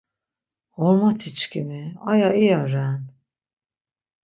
Ğormotiçkimi, aya iya ren.